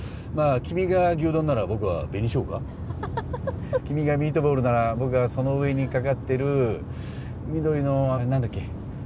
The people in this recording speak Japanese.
まあ君が牛丼なら僕は紅しょうが君がミートボールなら僕はその上にかかってる緑のあれ何だっけ？